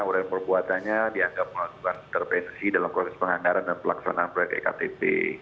orang perbuatannya dianggap melakukan intervensi dalam proses penganggaran dan pelaksanaan proyek ektp